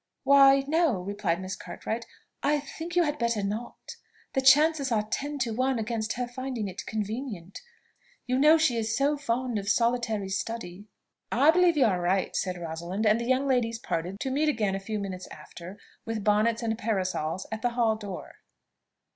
"Why no," replied Miss Cartwright; "I think you had better not; the chances are ten to one against her finding it convenient. You know she is so fond of solitary study " "I believe you are right," said Rosalind; and the young ladies parted, to meet again a few minutes after, with bonnets and parasols, at the hall door.